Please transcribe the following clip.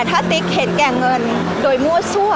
พี่ตอบได้แค่นี้จริงค่ะ